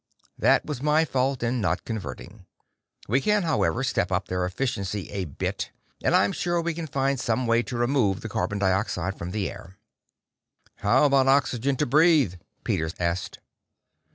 That was my fault in not converting. We can, however, step up their efficiency a bit. And I'm sure we can find some way to remove the carbon dioxide from the air." "How about oxygen to breathe?" Peters asked.